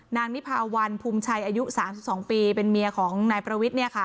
นิพาวันภูมิชัยอายุ๓๒ปีเป็นเมียของนายประวิทย์